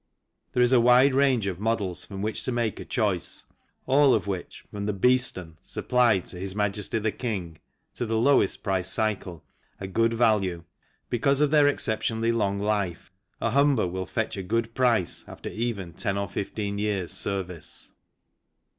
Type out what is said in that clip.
There is a wide range of models from which to make a choice, all of which from the *' BEESTON " supplied to H.M. the King to the lowest priced cycle are good value because of their exceptionally long life. A " HUMBER " will fetch a good price after even 10 or 15 years' service.